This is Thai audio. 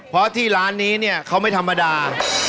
เพราะที่ร้านนี้เนี่ยเขาไม่ธรรมดา